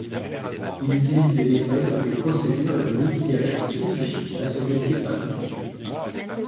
Il utilise des méthodes, des procédures et de l'outillage spécifique à ce métier particulier.